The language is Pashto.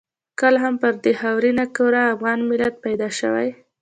کله هم پر دې خاورینه کره افغان ملت پیدا شوی.